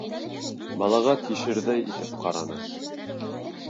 Балаға тишерҙәй итеп ҡараны.